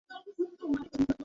Please, বুঝার চেষ্টা করো।